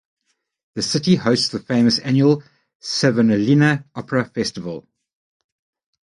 The city hosts the famous annual Savonlinna Opera Festival.